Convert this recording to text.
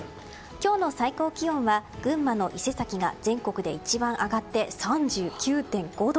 今日の最高気温は群馬の伊勢崎が全国で一番上がって３９．５度。